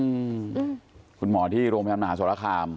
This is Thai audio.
อืมคุณหมอที่โรงพยาบาลมหาสรคาม